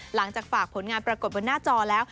หลังจากฝากผลงานปรากฏบนหน้าจอแล้ว